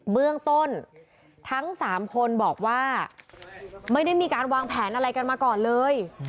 เบื้องต้นทั้ง๓คนบอกว่าไม่ได้มีการวางแผนอะไรกันมาก่อนเลย